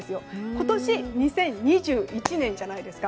今年２０２１年じゃないですか。